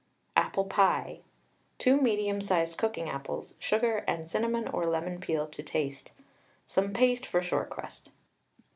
APPLE PIE. 2 medium sized cooking apples, sugar and cinnamon or lemon peel to taste. Some paste for short crust.